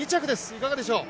いかがでしょう。